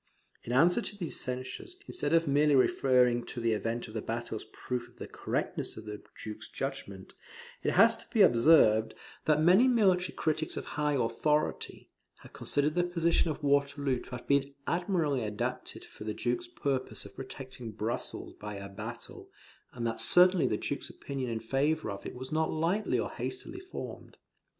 In answer to these censures, instead of merely referring to the event of the battle as proof of the correctness of the Duke's judgment, it is to be observed that many military critics of high authority, have considered the position of Waterloo to have been admirably adapted for the Duke's purpose of protecting Brussels by a battle; and that certainly the Duke's opinion in favour of it was not lightly or hastily formed.